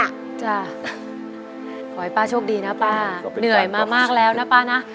ขอให้ป้าโชคดีนะป้าเหนื่อยมามากแล้วนะป้านะ